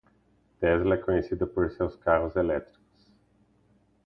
Tesla é conhecida por seus carros elétricos.